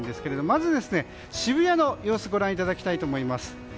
まず、渋谷の様子ご覧いただきたいと思います。